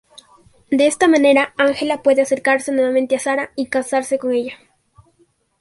De esta manera Angela puede acercarse nuevamente a Sara y casarse con ella.